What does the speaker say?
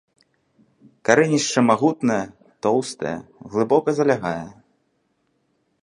Карэнішча магутнае, тоўстае, глыбока залягае.